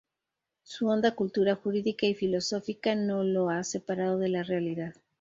Su honda cultura jurídica y filosófica no lo ha separado de la realidad.